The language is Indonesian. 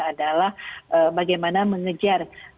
adalah bagaimana mengejar